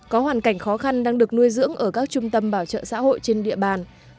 có hoàn cảnh khó khăn đang được nuôi dưỡng ở các trung tâm bảo trợ xã hội trên địa bàn